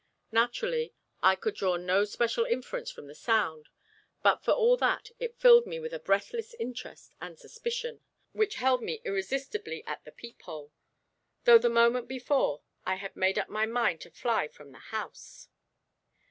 Naturally, I could draw no special inference from the sound; but, for all that, it filled me with a breathless interest and suspicion, which held me irresistibly at the peephole though the moment before I had made up my mind to fly from the house.